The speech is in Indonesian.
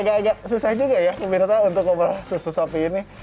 agak agak susah juga ya pemirsa untuk ngobrol susu sapi ini